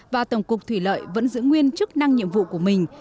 và tổng cục thủy lợi vẫn giữ nguyên chức năng nhiệm vụ của mình